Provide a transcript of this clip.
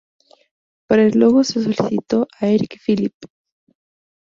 Para el logo se solicitó a Eric Philippe.